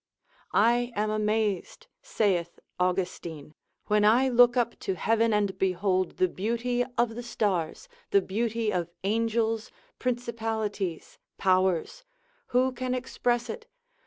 I am amazed, saith Austin, when 1 look up to heaven and behold the beauty of the stars, the beauty of angels, principalities, powers, who can express it?